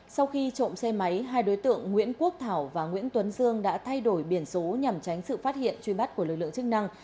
sau khi trộm xe máy hai đối tượng nguyễn quốc thảo và nguyễn tuấn dương đã thay đổi biển số nhằm tránh sự phát hiện truy bắt của lực lượng chức năng